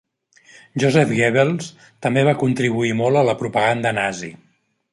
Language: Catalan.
Joseph Goebbels també va contribuir molt a la propaganda nazi.